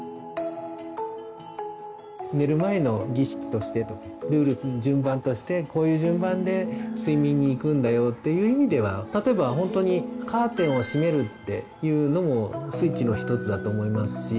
寝る前の儀式としてルール順番としてこういう順番で睡眠にいくんだよっていう意味では例えばほんとにカーテンをしめるっていうのもスイッチの一つだと思いますし。